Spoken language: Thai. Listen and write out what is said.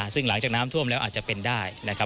ซึ่งหลังจากน้ำท่วมแล้วอาจจะเป็นได้นะครับ